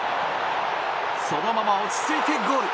そのまま落ち着いてゴール。